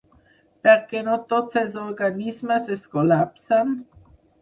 Per què no tots els organismes es col·lapsen?